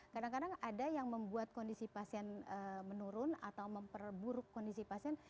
kadang kadang ada yang membuat kondisi pasien menurun atau memperburuk kondisi pasien